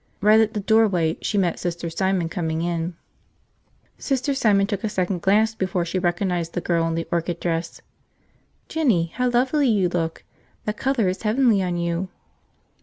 Right at the doorway, she met Sister Simon coming in. Sister Simon took a second glance before she recognized the girl in the orchid dress. "Jinny, how lovely you look! That color is heavenly on you."